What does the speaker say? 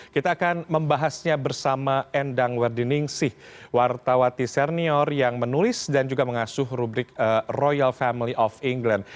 kita akan membahasnya bersama endang werdiningsih wartawati senior yang menulis dan juga mengasuh rubrik royal family of england